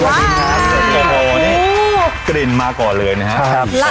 สวัสดีครับสวัสดีครับสวัสดีครับว้าวสวัสดีครับสวัสดีครับโอ้โห